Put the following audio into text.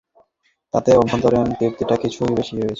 তাতে আভ্যন্তরিক তৃপ্তিটা কিছু বেশি হয়েছে।